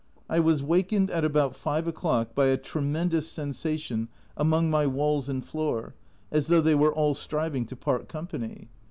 I was wakened at about 5 o'clock by a tremendous sensation among my walls and floor, as though they were all striving to part company.